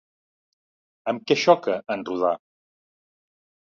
Amb què xoca en rodar?